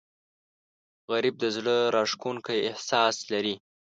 غریب د زړه راښکونکی احساس لري